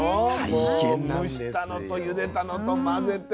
もう蒸したのとゆでたのと混ぜて。